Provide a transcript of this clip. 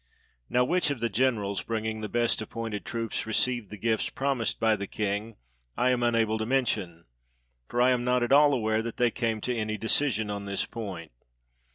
Now which of the generals, bringing the best appointed troops, received the gifts promised by the king, I am unable to mention; for I am not at all aware that they came to any decision on this point.